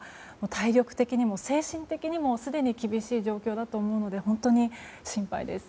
体力的にも精神的にもすでに厳しい状況だと思うので本当に心配です。